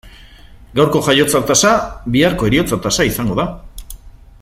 Gaurko jaiotza tasa biharko heriotza tasa izango da.